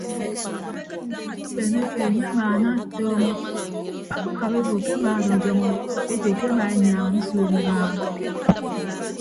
Ikpeeneke enye amaanatọọñọ akpekap ebo ke akedọdọñọ ete ke ema enyaaña nsuuk ibaaha.